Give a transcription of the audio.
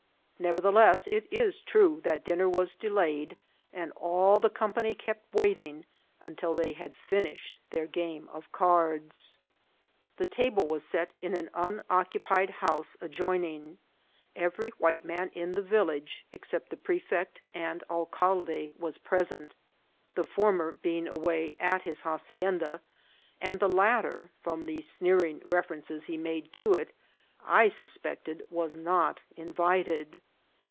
Nevertheless, it is true that dinner was delayed, and all the company kept waiting until they had finished their game of cards. The table was set in an unoccupied house adjoining. Every white man in the village, except the prefect and alcalde, was present ; the former being away at his hacienda, and the latter, from the sneering references he made to it, I suspected was not invited.